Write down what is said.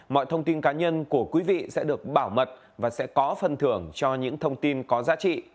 mọi thông tin cá nhân của quý vị sẽ được bảo mật và sẽ có phần thưởng cho những thông tin có giá trị